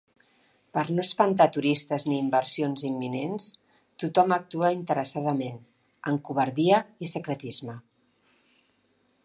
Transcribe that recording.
Per no espantar turistes ni inversions imminents, tothom actua interessadament, amb covardia i secretisme.